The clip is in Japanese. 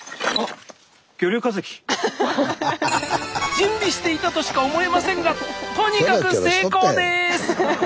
準備していたとしか思えませんがとにかく成功です！